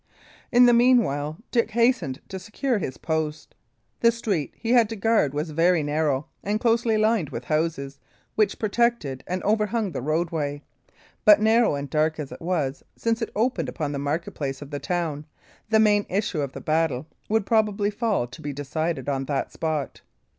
In the meanwhile Dick hastened to secure his post. The street he had to guard was very narrow, and closely lined with houses, which projected and overhung the roadway; but narrow and dark as it was, since it opened upon the market place of the town, the main issue of the battle would probably fall to be decided on that spot.